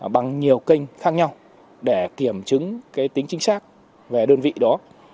bằng nhiều kênh khác nhau để kiểm chứng tính chính xác về đơn vị đó